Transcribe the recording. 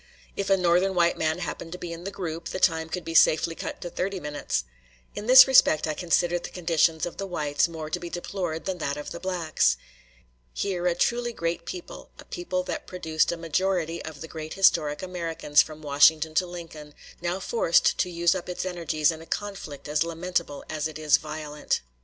If a Northern white man happened to be in the group, the time could be safely cut to thirty minutes. In this respect I consider the conditions of the whites more to be deplored than that of the blacks. Here, a truly great people, a people that produced a majority of the great historic Americans from Washington to Lincoln, now forced to use up its energies in a conflict as lamentable as it is violent.